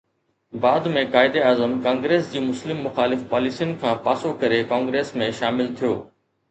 بعد ۾ قائداعظم ڪانگريس جي مسلم مخالف پاليسين کان پاسو ڪري ڪانگريس ۾ شامل ٿيو.